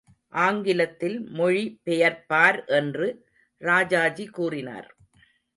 ஆங்கிலத்தில் மொழி பெயர்ப்பார் என்று ராஜாஜி கூறினார்.